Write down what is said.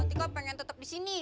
tiko pengen tetap di sini